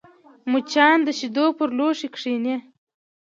مچان د شیدو پر لوښي کښېني